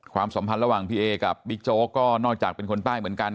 สัมพันธ์ระหว่างพี่เอกับบิ๊กโจ๊กก็นอกจากเป็นคนใต้เหมือนกัน